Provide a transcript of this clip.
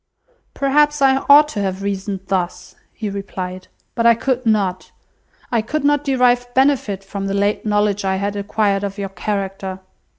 "Perhaps I ought to have reasoned thus," he replied, "but I could not. I could not derive benefit from the late knowledge I had acquired of your character.